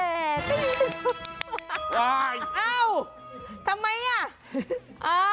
เอ้าทำไมอ่ะ